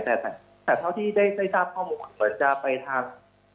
แต่ต้องพิสูจน์ได้ทราบข้อมูลจะไปทาง